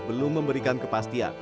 belum memberikan kepastian